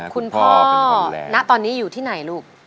คุณพ่อณตอนนี้อยู่ที่ไหนลูก